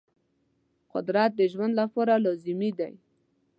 قدرت د ژوند لپاره لازمي دی.